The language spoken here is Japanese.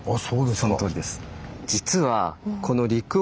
そのとおりです。